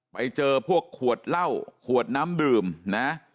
ไปเจอพวกขวดเหล้าขวดน้ำดื่มนะ